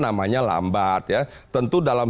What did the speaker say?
namanya lambat ya tentu dalam